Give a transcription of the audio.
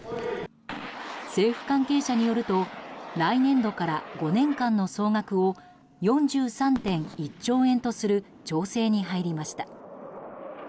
政府関係者によると来年度から５年間の総額を４３．１兆円とする調整に入りました。